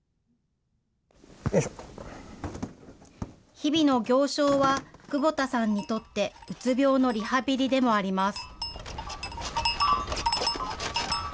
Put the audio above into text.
日々の行商は、久保田さんにとって、うつ病のリハビリでもあります。